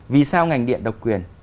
vì sao ngành điện độc quyền